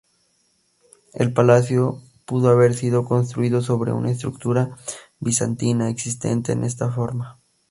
El palacio pudo haber sido construido sobre una estructura bizantina existente en esta forma.